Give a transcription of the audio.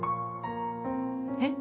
えっ？